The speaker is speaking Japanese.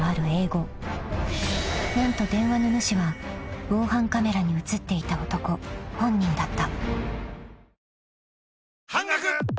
［何と電話の主は防犯カメラに写っていた男本人だった］